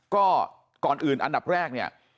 ก็ก่อนอื่นอันดับแรกเนี่ย